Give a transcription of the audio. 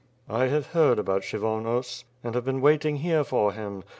"I have heard about Kshyvonos and have been waiting here for him.